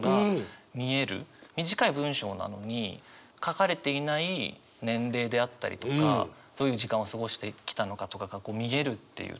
短い文章なのに書かれていない年齢であったりとかどういう時間を過ごしてきたのかとかが見えるっていうところが